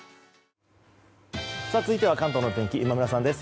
続いては関東の天気今村さんです。